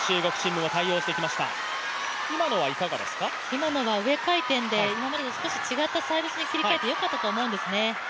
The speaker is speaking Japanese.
今のは上回転で違ったサービスに変えてよかったと思うんですね。